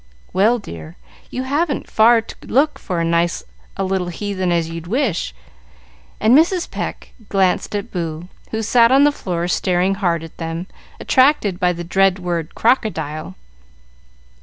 "Well, dear, you haven't far to look for as nice a little heathen as you'd wish;" and Mrs. Pecq glanced at Boo, who sat on the floor staring hard at them, attracted by the dread word "crocodile."